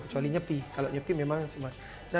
kecuali nyepi kalau nyepi memang semua